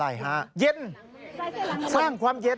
เย็นสร้างความเย็น